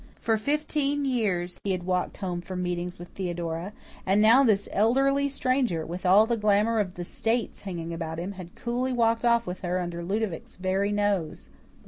For fifteen years he had walked home from meetings with Theodora; and now this elderly stranger, with all the glamour of "the States" hanging about him, had coolly walked off with her under Ludovic's very nose.